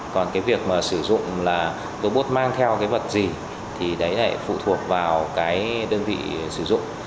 còn việc sử dụng là robot mang theo vật gì thì đấy lại phụ thuộc vào đơn vị sử dụng